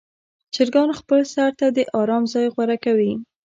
چرګان خپل سر ته د آرام ځای غوره کوي.